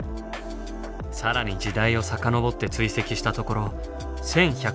更に時代を遡って追跡したところ１，１２０万